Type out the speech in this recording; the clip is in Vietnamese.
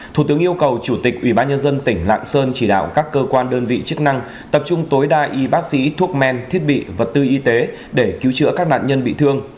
thủ tướng yêu cầu chủ tịch ubnd tỉnh lạng sơn chỉ đạo các cơ quan đơn vị chức năng tập trung tối đa y bác sĩ thuốc men thiết bị vật tư y tế để cứu chữa các nạn nhân bị thương